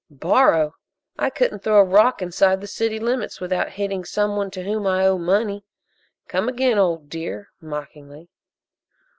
"Borrow! I couldn't throw a rock inside the city limits without hitting some one to whom I owe money. Come again, Old Dear," mockingly.